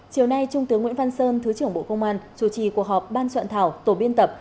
chiều nay trung tướng nguyễn văn sơn thứ trưởng bộ công an chủ trì cuộc họp ban soạn thảo tổ biên tập